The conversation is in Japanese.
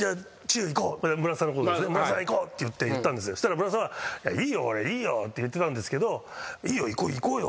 そしたら村田さんは「いいよ俺。いいよ」って言ってたんですけど「いいよ行こうよ」